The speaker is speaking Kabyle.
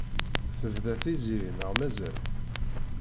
Tebda Tiziri neɣ mazal?